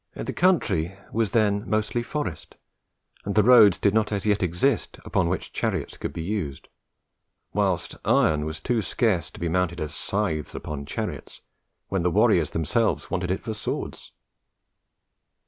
The country was then mostly forest, and the roads did not as yet exist upon which chariots could be used; whilst iron was too scarce to be mounted as scythes upon chariots, when the warriors themselves wanted it for swords.